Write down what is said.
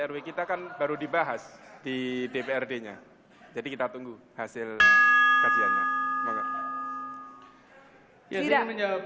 ya tapi kita kan baru dibahas di dprd nya jadi kita tunggu hasil kajiannya